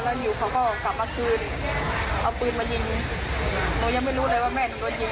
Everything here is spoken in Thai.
แล้วอยู่เขาก็กลับมาคืนเอาปืนมายิงหนูยังไม่รู้เลยว่าแม่หนูโดนยิง